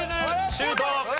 シュート！